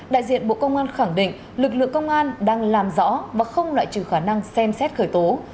đại diện bộ công an khẳng định lực lượng công an đang làm rõ và không loại trừ khả năng xem xét khởi tố